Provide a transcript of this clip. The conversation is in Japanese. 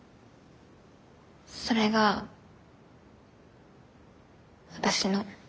それが私の。